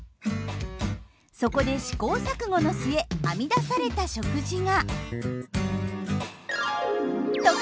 そこで試行錯誤の末編み出された食事が。